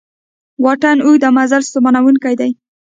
واټن اوږد او مزل ستومانوونکی دی